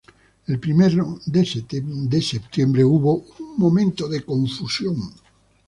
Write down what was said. El primero de septiembre hubo un momento de confusión.